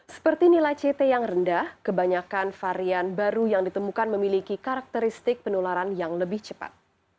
seperti nilai ct yang rendah kebanyakan varian baru yang ditemukan memiliki karakteristik penularan yang lebih cepat